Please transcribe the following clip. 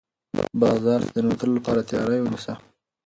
بازار ته د ننوتلو لپاره تیاری ونیسه.